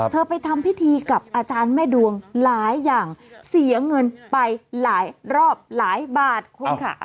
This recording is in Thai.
ไปทำพิธีกับอาจารย์แม่ดวงหลายอย่างเสียเงินไปหลายรอบหลายบาทคุณค่ะ